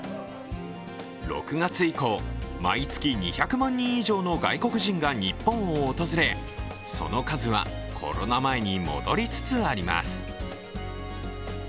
６月以降、毎月２００万人以上の外国人観光客が日本を訪れ、その数はコロナ前に戻りつつあります。